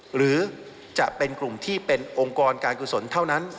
หรือจะเป็นกลุ่มที่เป็นองค์กรการกุศลเท่านั้น